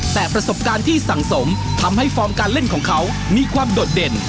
แต่ประสบการณ์ที่สังสมทำให้ฟอร์มการเล่นของเขามีความโดดเด่น